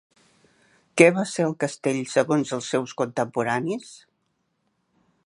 Què va ser el castell segons els seus contemporanis?